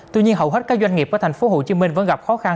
tuy nhiên hầu hết các doanh nghiệp ở tp hcm vẫn gặp khó khăn